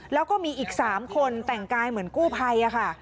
แล้วก็มีอีก๓คนแต่งกายเหมือนกู้ภัยค่ะ